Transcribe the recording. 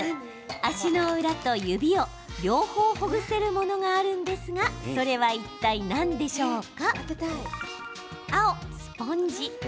足の裏と指を両方ほぐせるものがあるんですがそれはいったい何でしょうか？